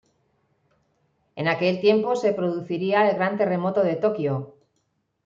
En aquel tiempo se produciría el gran terremoto de Tokio.